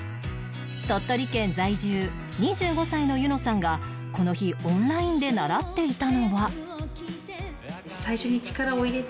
鳥取県在住２５歳のユノさんがこの日オンラインで習っていたのは